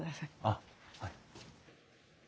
あっはい。